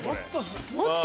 もっと。